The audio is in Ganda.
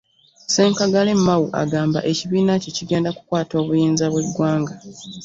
Ssenkaggale Mao agamba ekibiina kye kigenda kukwata obuyinza bw'eggwanga.